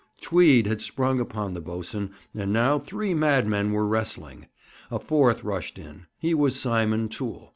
Tweed had sprung upon the boatswain, and now three madmen were wrestling. A fourth rushed in; he was Simon Toole.